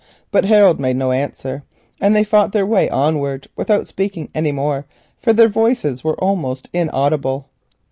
But Harold made no answer, and they fought their way onward without speaking any more, for their voices were almost inaudible.